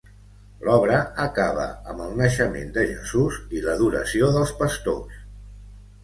L'obra acaba amb el naixement de Jesús i l'adoració dels pastors.